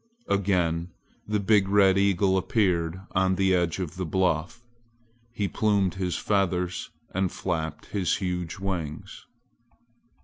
Again the big red eagle appeared on the edge of the bluff. He plumed his feathers and flapped his huge wings.